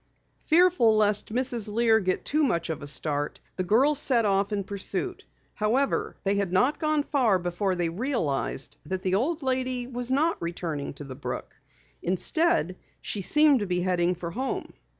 Fearful lest Mrs. Lear get too much of a start, the girls set off in pursuit. However, they had not gone far before they realized that the old lady was not returning to the brook. Instead she seemed to be heading for home.